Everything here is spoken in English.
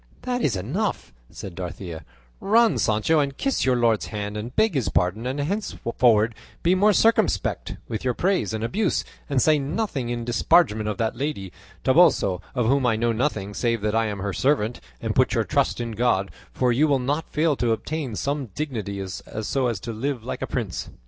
"That is enough," said Dorothea; "run, Sancho, and kiss your lord's hand and beg his pardon, and henceforward be more circumspect with your praise and abuse; and say nothing in disparagement of that lady Toboso, of whom I know nothing save that I am her servant; and put your trust in God, for you will not fail to obtain some dignity so as to live like a prince."